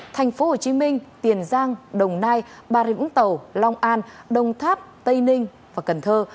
thành phố hồ chí minh tiền giang đồng nai bà rịa vũng tàu long an đồng tháp tây ninh và cần thơ